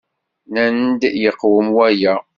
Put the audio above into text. Nnant-d yeqwem waya.